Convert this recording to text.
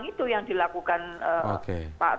dia untuk mengerjakan haloar